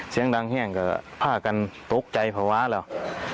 เสียงดังแห้งก็พากันตกใจภาวะแล้ว